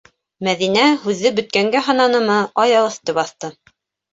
Мәҙинә, һүҙҙе бөткәнгә һананымы, аяғөҫтө баҫты.